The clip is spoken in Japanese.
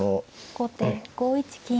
後手５一金。